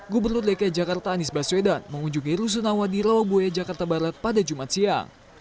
gubernur dki jakarta anies baswedan mengunjungi rusunawa di rawabuya jakarta barat pada jumat siang